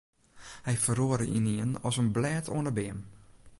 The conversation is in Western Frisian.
Hy feroare ynienen as in blêd oan 'e beam.